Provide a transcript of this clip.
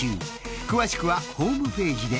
詳しくはホームページで。